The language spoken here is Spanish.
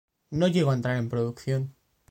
No llegó a entrar en producción.